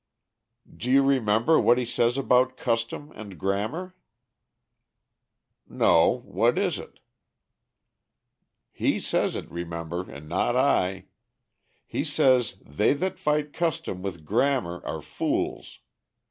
"Do you remember what he says about custom and grammar?" "No. What is it?" "He says it, remember, and not I. He says 'they that fight custom with grammar are fools.'